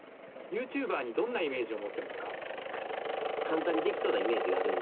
ユーチューバーにどんなイメージを持ってますか？